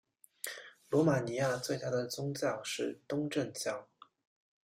罗马尼亚最大的宗教是东正教。